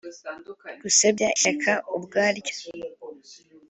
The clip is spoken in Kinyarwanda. gusebya ishyaka ubwaryo